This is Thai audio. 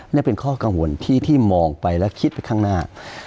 นี่เป็นข้อกังวลที่มองไปและคิดไปข้างหน้า